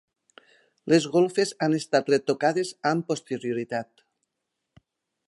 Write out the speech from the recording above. Les golfes han estat retocades amb posterioritat.